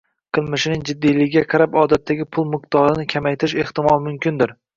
Qilmishining jiddiyligiga qarab odatdagi pul miqdorini kamaytirish ehtimol mumkindir.